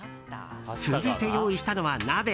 続いて用意したのは鍋。